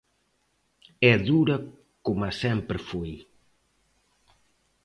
É dura coma sempre foi.